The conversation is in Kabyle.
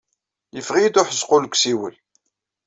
Iffeɣ-iyi-d uḥezqul seg usiwel!